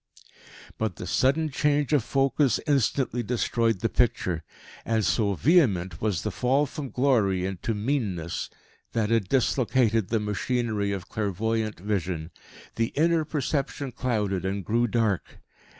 But the sudden change of focus instantly destroyed the picture; and so vehement was the fall from glory into meanness, that it dislocated the machinery of clairvoyant vision. The inner perception clouded and grew dark.